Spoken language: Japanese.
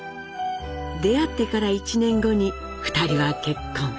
出会ってから１年後に２人は結婚。へ。